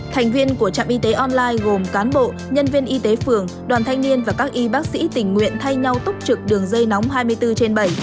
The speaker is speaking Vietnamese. thành viên của trạm y tế online gồm cán bộ nhân viên y tế phường đoàn thanh niên và các y bác sĩ tình nguyện thay nhau túc trực đường dây nóng hai mươi bốn trên bảy